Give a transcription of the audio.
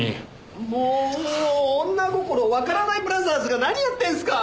もう女心がわからないブラザーズが何やってんすか！